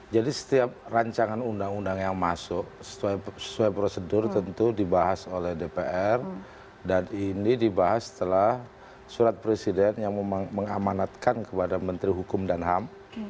jadi setiap rancangan undang undang yang masuk sesuai prosedur tentu dibahas oleh dpr dan ini dibahas setelah surat presiden yang mengamanatkan kepada menteri hukum dan ham